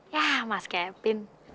yah mas kevin